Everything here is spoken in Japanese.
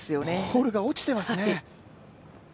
ボールが落ちてますね。